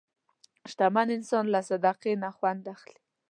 شتمن انسان له صدقې نه خوند اخلي.